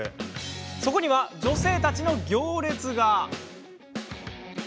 そこには女性たちの行列が。